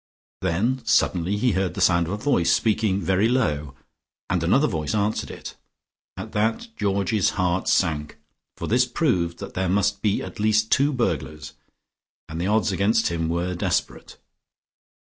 Then suddenly he heard the sound of a voice, speaking very low, and another voice answered it. At that Georgie's heart sank, for this proved that there must be at least two burglars, and the odds against him were desperate.